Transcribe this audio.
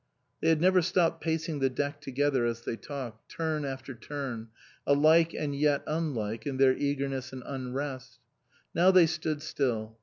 They had never stopped pacing the deck to gether, as they talked, turn after turn, alike and yet unlike in their eagerness and unrest. Now they stood still.